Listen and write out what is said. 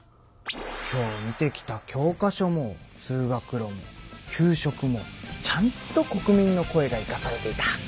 今日見てきた教科書も通学路も給食もちゃんと国民の声がいかされていた。